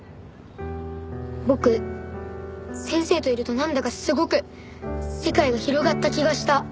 僕先生といるとなんだかすごく世界が広がった気がした。